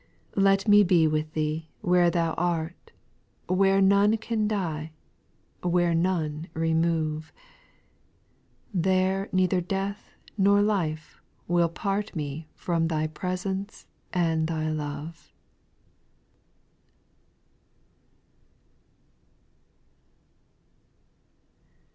4. Let me be with Thee where Thou art, Where none can die, where none remove, There neither death nor life will part Me from Thy presence and Thy love.